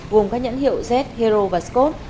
gồm các nhẫn hiệu z hero và scott